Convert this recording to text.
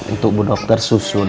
untuk bu dr susun